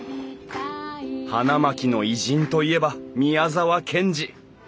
花巻の偉人といえば宮沢賢治。